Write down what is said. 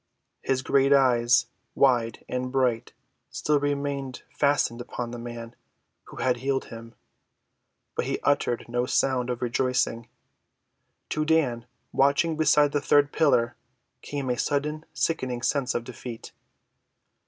His great eyes, wide and bright, still remained fastened upon the man who had healed him; but he uttered no sound of rejoicing. To Dan, watching beside the third pillar, came a sudden sickening sense of defeat.